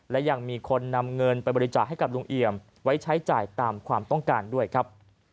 และยังมีคนนำเงินไปบริจาคให้กับลุงเอี่ยมไว้ใช้จ่ายตามความต้องการด้วยครับ